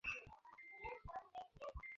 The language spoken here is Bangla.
তিনি তার অ্যাকাডেমিক পড়াশোনা চালিয়ে যেতে থাকেন।